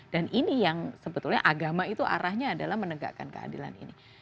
dan ini yang sebetulnya agama itu arahnya adalah menegakkan keadilan ini